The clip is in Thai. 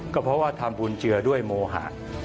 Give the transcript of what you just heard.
ก็เพราะว่าทำบุญเจือด้วยโมหะ